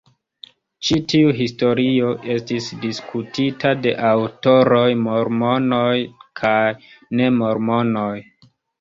Ĉi tiu historio estis diskutita de aŭtoroj mormonoj kaj ne mormonoj.